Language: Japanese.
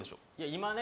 今ね